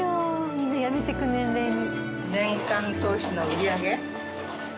みんなやめていく年齢に。